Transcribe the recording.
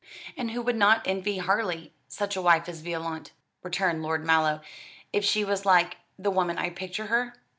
"And who would not envy Harley such a wife as Violante," returned Lord Mallow, "if she was like the woman I picture her?"